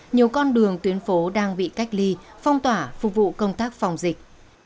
nhiều con đường tuyến phố đang bị cách ly phong tỏa phục vụ công tác phòng dịch